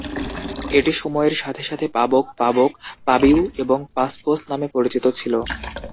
এটি সময়ের সাথে সাথে পাবোক, পাবোক, পাবিউ এবং পাস-বোস নামে পরিচিত ছিল।